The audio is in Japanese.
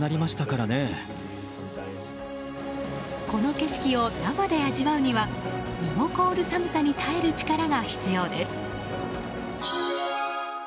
この景色を生で味わうには身も凍る寒さに耐える力が必要です。